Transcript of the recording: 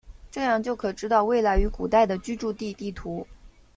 这样就可知道未来与古代的居住地地图。